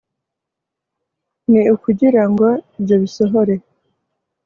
ni ukugira ngo ibyo bisohore